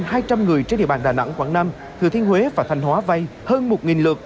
hơn hai trăm linh người trên địa bàn đà nẵng quảng nam thừa thiên huế và thanh hóa vay hơn một lượt